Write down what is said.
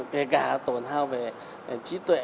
kể cả tổn thao về trí tuệ